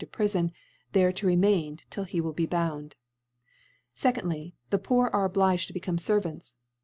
to Prifon, there to remain till he will be bound. 2dfyy The Poor are obliged to become Servants.